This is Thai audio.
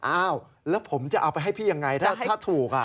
อ้าวแล้วผมจะเอาไปให้พี่ยังไงถ้าถูก